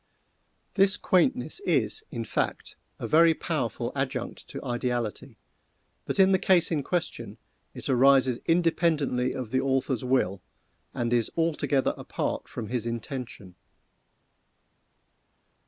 This quaintness is, in fact, a very powerful adjunct to ideality, but in the case in question it arises independently of the author's will, and is altogether apart from his intention.